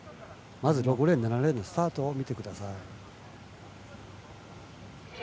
まず６レーン７レーンのスタート見てください。